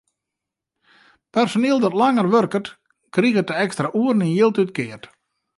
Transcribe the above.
Personiel dat langer wurket, kriget de ekstra oeren yn jild útkeard.